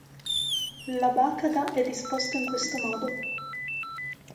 L'abakada è disposto in questo modo.